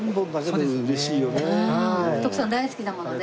徳さん大好きだもんね